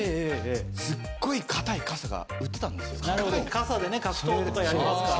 傘でね格闘とかやりますからね。